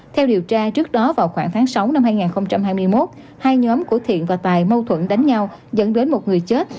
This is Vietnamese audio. theo điều tra trước đó vào khoảng tháng sáu năm hai nghìn hai mươi một hai nhóm của thiện và tài mâu thuẫn đánh nhau dẫn đến một người chết